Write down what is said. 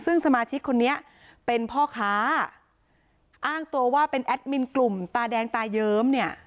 ซึ่งสมาชิกคนนี้เป็นพ่อค้าอ้างตัวว่าเป็นแอดมินกลุ่มตาแดงตาเยิ้มเนี่ย